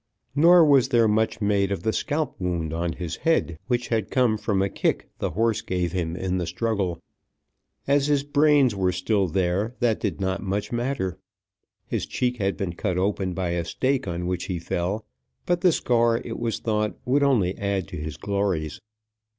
Nor was there much made of the scalp wound on his head, which had come from a kick the horse gave him in the struggle. As his brains were still there, that did not much matter. His cheek had been cut open by a stake on which he fell, but the scar, it was thought, would only add to his glories.